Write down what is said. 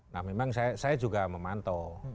nah memang saya juga memantau